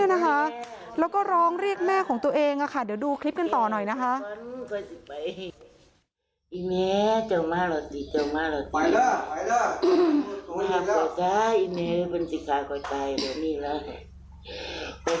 แล้วก็ร้องเรียกแม่ของตัวเองเดี๋ยวดูคลิปกันต่อหน่อยนะคะ